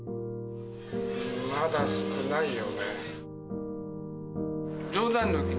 まだ少ないよね。